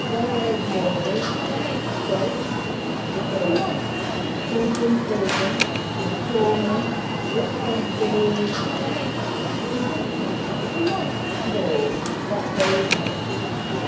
"Yes, there is, Mary. There's strife and difference and compensation and atonement and reconciliation." "But there's nothing wicked." "No, that there is not."